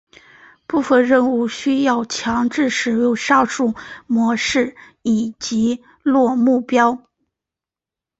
部分任务需要强制使用上述模式以击落目标。